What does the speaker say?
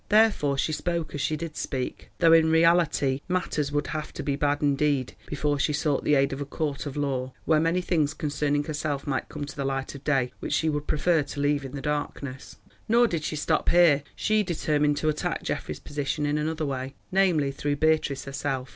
Therefore she spoke as she did speak, though in reality matters would have to be bad indeed before she sought the aid of a court of law, where many things concerning herself might come to the light of day which she would prefer to leave in darkness. Nor did she stop here; she determined to attack Geoffrey's position in another way, namely, through Beatrice herself.